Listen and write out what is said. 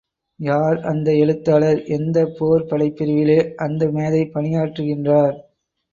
யார் அந்த எழுத்தாளர் எந்தப் போர்ப் படைப் பிரிவிலே அந்த மேதை பணியாற்றுகின்றார்?